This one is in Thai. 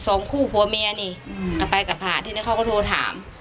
สองคู่ผัวเมียนี่กับไปกับพาที่นี่เขาก็โทรถาม